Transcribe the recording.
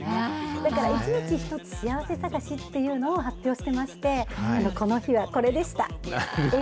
だから、１日１つ、幸せ探しっていうのを発表してまして、この日はこれでした。